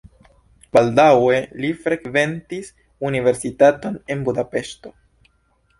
Baldaŭe li frekventis universitaton en Budapeŝto.